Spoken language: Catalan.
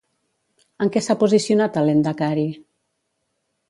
En què s'ha posicionat el lehendakari?